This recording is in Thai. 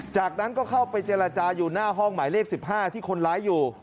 จากนั้นก็เข้าไปเจรจาอยู่หน้าห้องหมายเลข๑๕ที่คนร้ายอยู่